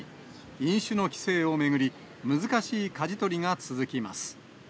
飲酒の規制を巡り、難しいかじ取りが続きます。